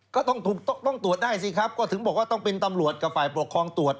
ก็ต้องถูกต้องตรวจได้สิครับก็ถึงบอกว่าต้องเป็นตำรวจกับฝ่ายปกครองตรวจ